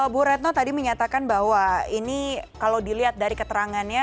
bu retno tadi menyatakan bahwa ini kalau dilihat dari keterangannya